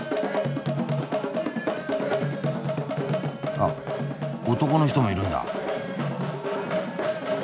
あっ男の人もいるんだ。